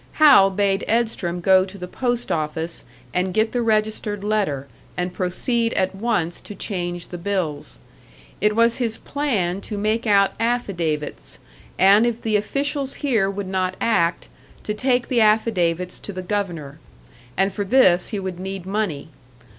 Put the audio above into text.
Hal bade Edstrom go to the post office and get the registered letter, and proceed at once to change the bills. It was his plan to make out affidavits, and if the officials here would not act, to take the affidavits to the Governor. And for this he would need money.